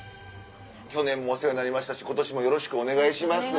去年もお世話になりましたし今年もよろしくお願いします。